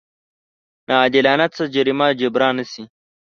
ناعادلانه څه جريمه جبران نه شي.